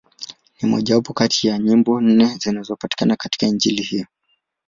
Ni mmojawapo kati ya nyimbo nne zinazopatikana katika Injili hiyo.